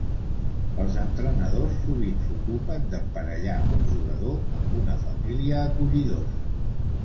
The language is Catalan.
Els entrenadors sovint s'ocupen d'emparellar un jugador amb una família acollidora.